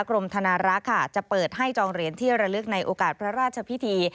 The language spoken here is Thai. กรมธนารักษ์ค่ะจะเปิดให้จองเหรียญที่ระลึกในโอกาสพระราชพิธี